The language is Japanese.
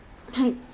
はい。